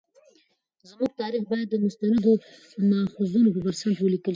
زموږ تاریخ باید د مستندو مأخذونو پر بنسټ ولیکل شي.